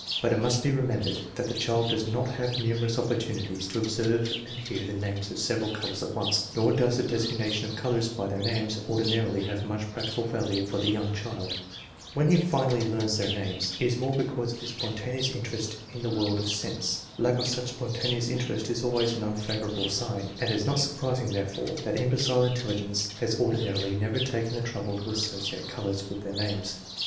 But it must be remembered that the child does not have numerous opportunities to observe and hear the names of several colors at once, nor does the designation of colors by their names ordinarily have much practical value for the young child. When he finally learns their names, it is TEST NO. V, 3 165 more because of his spontaneous interest in the world of sense. Lack of such spontaneous interest is always an un favorable sign, and it is not surprising, therefore, that imbecile intelligence has ordinarily never taken the trouble to associate colors with their names.